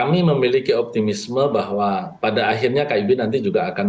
kami memiliki optimisme bahwa pada akhirnya kib nanti juga akan